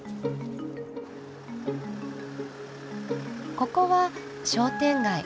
ここは商店街。